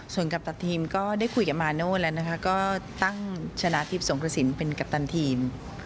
ส่วนกัปตันทีมก็ได้คุยกับมาโน่แล้วนะคะก็ตั้งชนะทิพย์สงกระสินเป็นกัปตันทีม